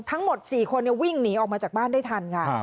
ทั้งหมด๔คนวิ่งหนีออกมาจากบ้านได้ทันค่ะ